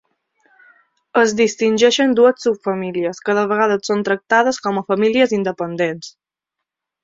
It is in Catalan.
Es distingeixen dues subfamílies, que de vegades són tractades com a famílies independents.